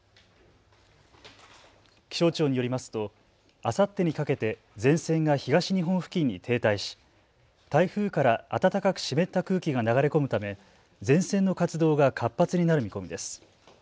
気象庁によりますとあさってにかけて前線が東日本付近に停滞し、台風から暖かく湿った空気が流れ込むため前線の活動が活発になる見込みです。